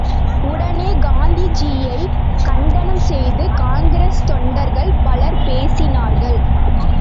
உடனே காந்திஜியைக் கண்டனம் செய்து காங்கிரஸ் தொண்டர்கள் பலர் பேசினார்கள்.